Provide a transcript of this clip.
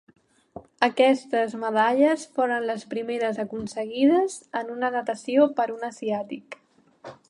Aquestes medalles foren les primeres aconseguides en natació per un asiàtic.